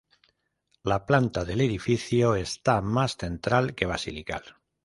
La planta del edificio está más central que basilical.